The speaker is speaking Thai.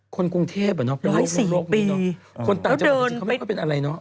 คนกรุงเทพอ่ะเนอะโรคมีเนอะคนต่างจังหวังจริงเขาไม่ได้เป็นอะไรเนอะ